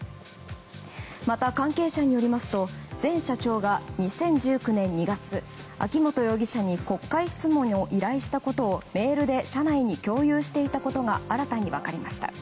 また、関係者によりますと前社長が２０１９年２月秋本容疑者に国会質問を依頼したことをメールで社内に共有していたことが新たに分かりました。